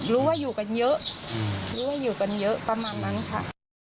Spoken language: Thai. รู้ว่าอยู่กันเยอะรู้ว่าอยู่กันเยอะประมาณนั้นค่ะ